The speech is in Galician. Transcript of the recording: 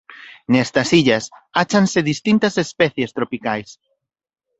Nestas illas áchanse distintas especies tropicais.